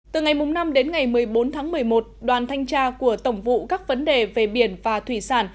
từ ngày năm đến ngày một mươi bốn tháng một mươi một đoàn thanh tra của tổng vụ các vấn đề về biển và thủy sản